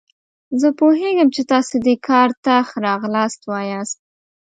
زه پوهیږم چې تاسو دې کار ته ښه راغلاست وایاست.